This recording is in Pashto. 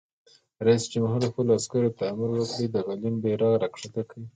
رئیس جمهور خپلو عسکرو ته امر وکړ؛ د غلیم بیرغ راکښته کړئ!